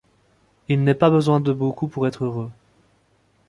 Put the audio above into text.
Il n'est pas besoin de beaucoup pour être heureux.